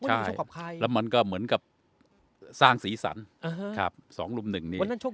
ใช่แล้วมันก็เหมือนกับสร้างศีรษรครับสองรุ่มหนึ่งนี่วันนั้นชก